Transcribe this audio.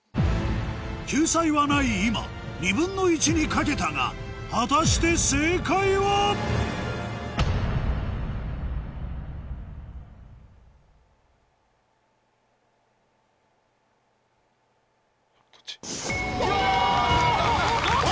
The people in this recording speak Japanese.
救済はない今１／２に懸けたが果たして正解は⁉うお！